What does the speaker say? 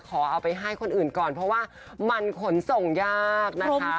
เอาไปให้คนอื่นก่อนเพราะว่ามันขนส่งยากนะคะ